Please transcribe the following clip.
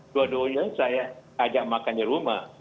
dua duanya saya ajak makan di rumah